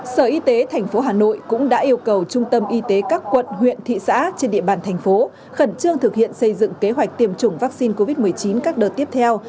sở y tế tp hà nội cũng đã yêu cầu trung tâm y tế các quận huyện thị xã trên địa bàn thành phố khẩn trương thực hiện xây dựng kế hoạch tiêm chủng vaccine covid một mươi chín các đợt tiếp theo